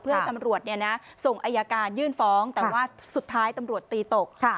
เพื่อให้ตำรวจส่งอายการยื่นฟ้องแต่ว่าสุดท้ายตำรวจตีตก